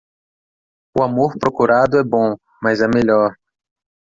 O amor procurado é bom, mas é melhor.